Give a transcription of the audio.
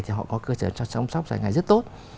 thì họ có cơ sở chăm sóc dài ngày rất tốt